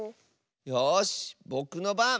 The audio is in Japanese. よしぼくのばん！